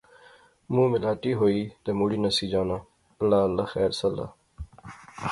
مونہہ میلاٹی ہوئی تہ مڑی نسی جانا، اللہ اللہ خیر سلا